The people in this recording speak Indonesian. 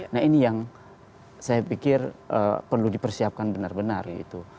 nah ini yang saya pikir perlu dipersiapkan benar benar gitu